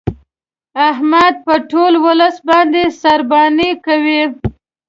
احمد په ټول ولس باندې سارباني کوي.